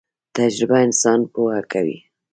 تجربه انسان پوه کوي